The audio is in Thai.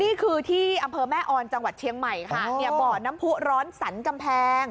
นี่คือที่อำเภอแม่ออนจังหวัดเชียงใหม่ค่ะเนี่ยบ่อน้ำผู้ร้อนสรรกำแพง